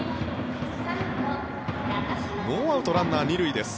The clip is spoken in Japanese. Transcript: ノーアウト、ランナー２塁です。